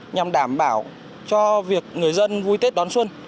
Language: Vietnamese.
nhằm đảm bảo cho việc người dân vui tết đón xuân